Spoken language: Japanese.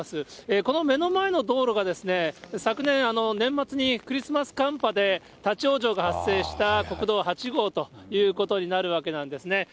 この目の前の道路が、昨年、年末にクリスマス寒波で立往生が発生した国道８号ということになるわけなんですね。